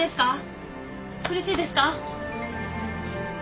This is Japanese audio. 苦しいですか？